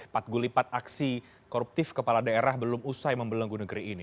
patgulipat aksi koruptif kepala daerah belum usai membelenggu negeri ini